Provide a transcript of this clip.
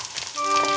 oke dia bakal lakukan